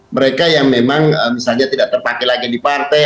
mereka yang memang misalnya tidak terpakai lagi di partai